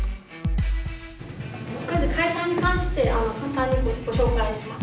まず会社に関して簡単にご紹介します。